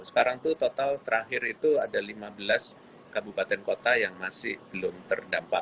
sekarang itu total terakhir itu ada lima belas kabupaten kota yang masih belum terdampak